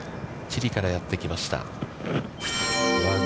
チリからやってきました。